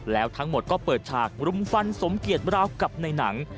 แล้วทั้งหมดก็เปิดฉากรุมฟันสมเกียจราวกับในหนัง